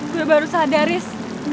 gue baru sadar ris